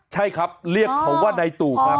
ใช่ครับเรียกเขาว่านายตู่ครับ